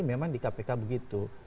karena memang di kpk begitu